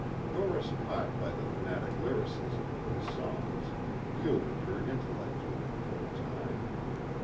Doris caught by the fanatic lyricism of his songs yielded her intellect to them for a time.